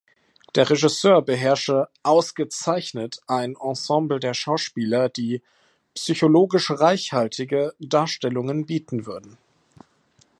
Der Regisseur beherrsche "„ausgezeichnet“" ein Ensemble der Schauspieler, die "„psychologisch reichhaltige“" Darstellungen bieten würden.